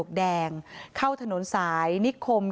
คุณภรรยาเกี่ยวกับข้าวอ่ะคุณภรรยาเกี่ยวกับข้าวอ่ะ